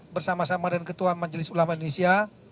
bersama sama dan ketua majelis ulama indonesia